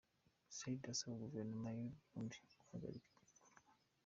Zeid asaba Guverinoma y’u Burundi guhagarika ibyo bikorwa.